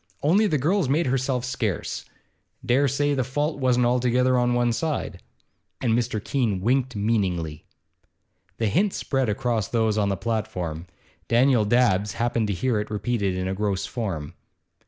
Only the girl's made herself scarce. Dare say the fault wasn't altogether on one side.' And Mr. Keene winked meaningly. The hint spread among those on the platform. Daniel Dabbs happened to hear it repeated in a gross form.